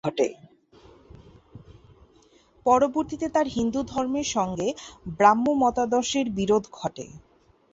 পরবর্তীতে তাঁর হিন্দু ধর্মের সঙ্গে ব্রাহ্ম মতাদর্শের বিরোধ ঘটে।